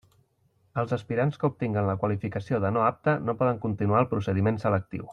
Els aspirants que obtinguen la qualificació de no apte no poden continuar el procediment selectiu.